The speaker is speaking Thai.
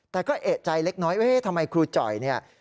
แต่ก็เอกใจเล็กน้อยทำไมครูจ่อยเนี่ย